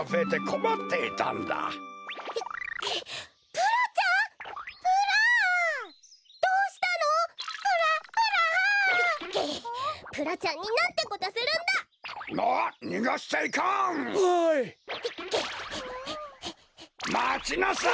まちなさい！